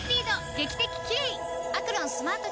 劇的キレイ！